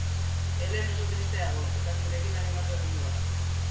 Helen oso triste dago, eta zurekin animatu egingo da.